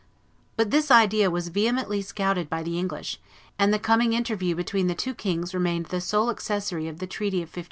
But this idea was vehemently scouted by the English, and the coming interview between the two kings remained the sole accessory of the treaty of 1518.